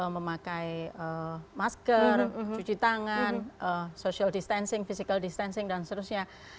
memakai masker cuci tangan social distancing physical distancing dan seterusnya